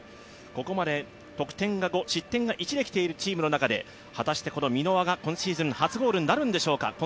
ここまで得点が５、失点が１で来ているチームの中で果たしてこの箕輪が、今シーズン初ゴールなるんでしょうか。